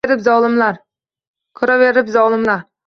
Ko’raverib zolimlar.